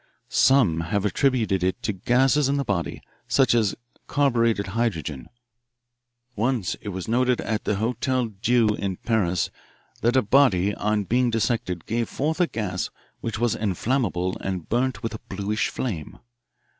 "'Some have attributed it to gases in the body, such as carbureted hydrogen. Once it was noted at the Hotel Dieu in Paris that a body on being dissected gave forth a gas which was inflammable and burned with a bluish flame.